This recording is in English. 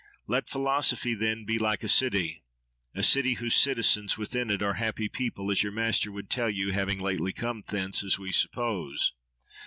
Let Philosophy, then, be like a city—a city whose citizens within it are a happy people, as your master would tell you, having lately come thence, as we suppose.